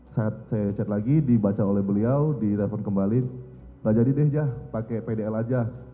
saat saya chat lagi dibaca oleh beliau direpon kembali gak jadi deh ya pake pdl aja